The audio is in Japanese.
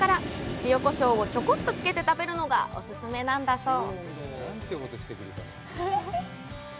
塩こしょうをちょこっとつけて食べるのがお勧めなんだそう。